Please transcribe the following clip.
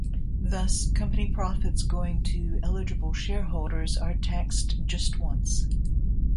Thus company profits going to eligible shareholders are taxed just once.